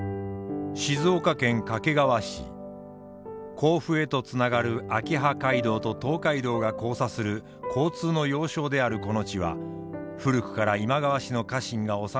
甲府へとつながる秋葉街道と東海道が交差する交通の要衝であるこの地は古くから今川氏の家臣が治めていました。